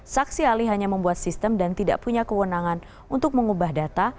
saksi ahli hanya membuat sistem dan tidak punya kewenangan untuk mengubah data